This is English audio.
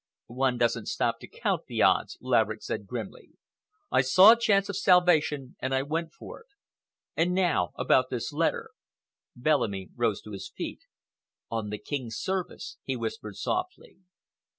"One doesn't stop to count the odds," Laverick said grimly. "I saw a chance of salvation and I went for it. And now about this letter." Bellamy rose to his feet. "On the King's service!" he whispered softly.